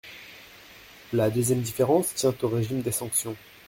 La deuxième différence tient au régime des sanctions.